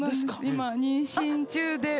今妊娠中で。